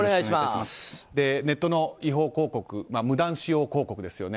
ネットの違法広告無断使用広告ですよね。